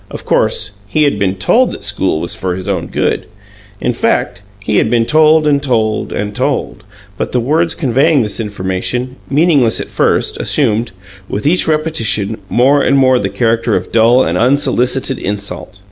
Of course he had been told that school was for his own good; in fact, he had been told and told and told, but the words conveying this information, meaningless at first, assumed, with each repetition, more and more the character of dull and unsolicited insult.